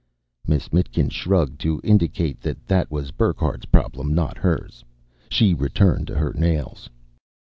Miss Mitkin shrugged to indicate that that was Burckhardt's problem, not hers. She returned to her nails.